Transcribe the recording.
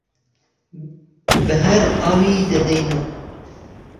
بههار ئاوی دهدهینۆ